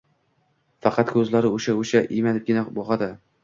Faqat ko`zlari o`sha-o`sha, iymanibgina boqadi